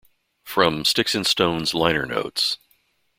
From "Sticks and Stones" liner notes.